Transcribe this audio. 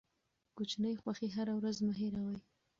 کوچني خوښۍ هره ورځ مه هېروئ.